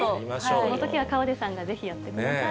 そのときは河出さんがぜひやってください。